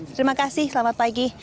terima kasih selamat pagi